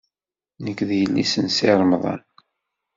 Nekk d yelli-s n Si Remḍan.